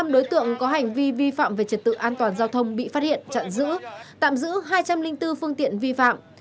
ba trăm chín mươi năm đối tượng có hành vi vi phạm về trật tự an toàn giao thông bị phát hiện chặn giữ tạm giữ hai trăm linh bốn phương tiện vi phạm